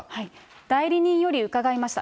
代理人より伺いました。